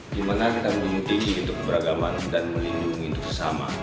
gimana kita memutihkan untuk beragaman dan melindungi untuk sesama